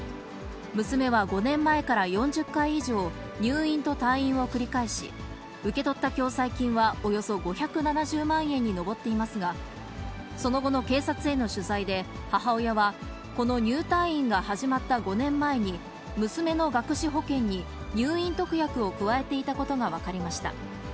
娘は５年前から４０回以上、入院と退院を繰り返し、受け取った共済金はおよそ５７０万円に上っていますが、その後の警察への取材で、母親はこの入退院が始まった５年前に、娘の学資保険に入院特約を加えていたことが分かりました。